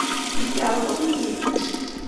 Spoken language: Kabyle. Yeṛḍel-iyi-t.